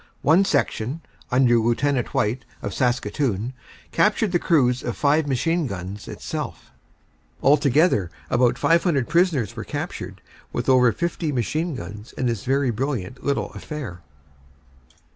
One section under Lieut. White, of Saskatoon, captured the crews of five machine guns itself." Altogether about 500 prisoners were captured with over 50 machine guns in this very brilliant little affair.